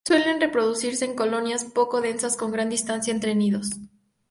Suelen reproducirse en colonias poco densas con gran distancia entre nidos.